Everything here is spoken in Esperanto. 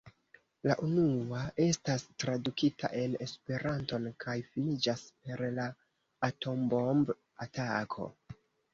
La unua estas tradukita en Esperanton kaj finiĝas per la atombomb-atako.